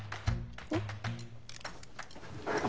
えっ？